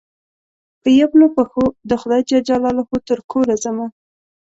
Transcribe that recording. په يبلو پښو دخدای ج ترکوره ځمه